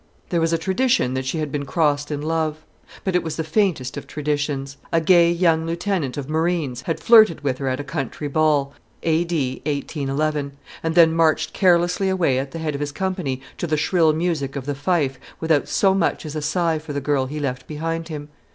There was a tradition that she had been crossed in love; but it was the faintest of traditions. A gay young lieutenant of marines had flirted with her at a country ball (A.D. 1811), and then marched carelessly away at the head of his company to the shrill music of the fife, without so much as a sigh for the girl he left behind him.